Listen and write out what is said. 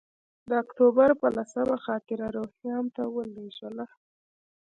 د اکتوبر پر لسمه خاطره روهیال ته ولېږله.